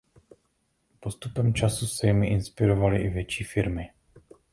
Postupem času se jimi inspirovaly i větší firmy.